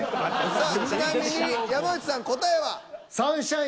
さあちなみに山内さん答えは？